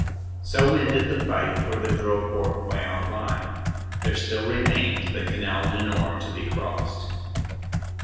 "So ended the fight for the Drocourt Queant line. There still remained the Canal du Nord to be crossed."